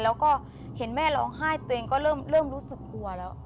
แล้วก็เห็นแม่ร้องไห้ตัวเองก็เริ่มรู้สึกกลัวแล้ว